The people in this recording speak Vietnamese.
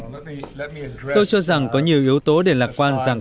v v tôi cho rằng có nhiều yếu tố để lạc quan rằng